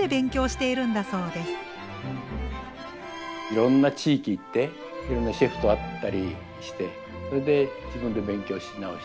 いろんな地域行っていろんなシェフと会ったりしてそれで自分で勉強し直して。